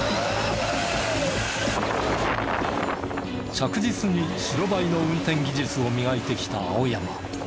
着実に白バイの運転技術を磨いてきた青山。